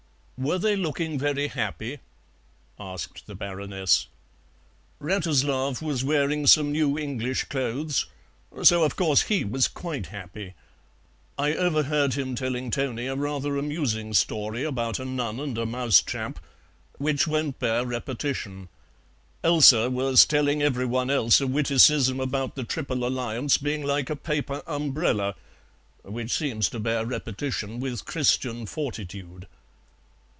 "Were they looking very happy?" asked the Baroness. "Wratislav was wearing some new English clothes, so, of course, he was quite happy. I overheard him telling Toni a rather amusing story about a nun and a mousetrap, which won't bear repetition. Elsa was telling every one else a witticism about the Triple Alliance being like a paper umbrella which seems to bear repetition with Christian fortitude."